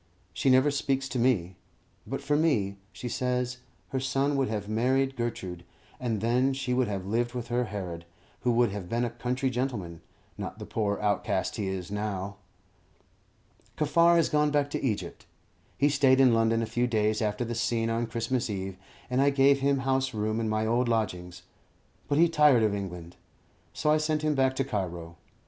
She never speaks to me. But for me, she says, her son would have married Gertrude, and then she would have lived with her Herod, who would have been a country gentleman, not the poor outcast he is now. Kaffar has gone back to Egypt. He stayed in London a few days after the scene on Christmas Eve, and I gave him house room in my old lodgings; but he tired of England, so I sent him back to Cairo.